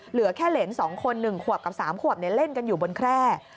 เหลือแค่เหรนสองคนหนึ่งขวบกับสามขวบเล่นกันอยู่บนแคร่